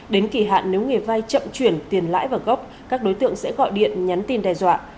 đến kỳ hạn nếu người vai chậm chuyển tiền lãi vào gốc các đối tượng sẽ gọi điện nhắn tin đe dọa